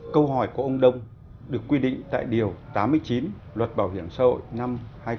câu hỏi của ông đông được quy định tại điều tám mươi chín luật bảo hiểm xã hội năm hai nghìn một mươi bốn